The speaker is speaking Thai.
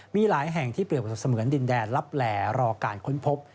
มีหลายแห่งที่เรียบเสมือนดินแดนลับแหล่รอการค้นพบ